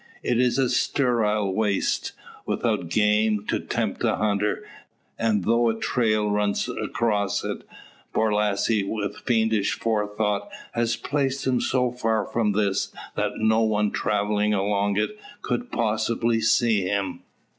It is a sterile waste, without game to tempt the hunter, and though a trail runs across it, Borlasse, with fiendish forethought, has placed him so far from this, that no one travelling along it could possibly see him.